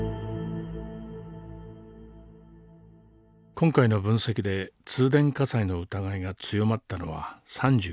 今回の分析で通電火災の疑いが強まったのは３９件。